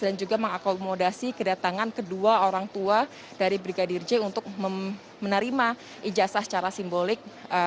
dan juga mengakomodasi kedatangan kedua orang tua dari brigadir j untuk menerima ijazah secara simbolik